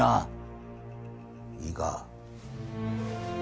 いいか？